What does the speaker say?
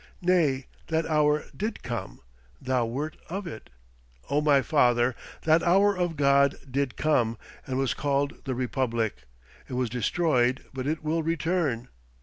Nay, that hour did come! Thou wert of it, O my father! That hour of God did come, and was called the Republic! It was destroyed, but it will return.